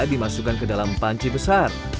dimasukkan ke dalam panci besar